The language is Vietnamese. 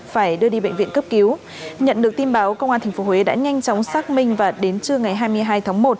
phải đưa đi bệnh viện cấp cứu nhận được tin báo công an tp huế đã nhanh chóng xác minh và đến trưa ngày hai mươi hai tháng một